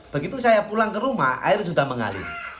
begitu saya pulang ke rumah air sudah mengalir